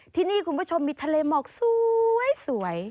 ที่นี่คุณผู้ชมมีทะเลหมอกสวย